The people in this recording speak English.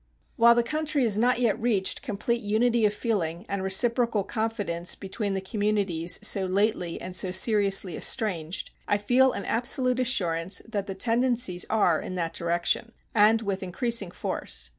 While the country has not yet reached complete unity of feeling and reciprocal confidence between the communities so lately and so seriously estranged, I feel an absolute assurance that the tendencies are in that direction, and with increasing force.